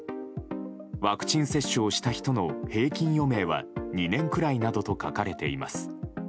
ワクチン接種をした人の平均余命は２年くらいなどと書かれています。